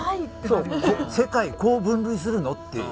そう世界こう分類するのって。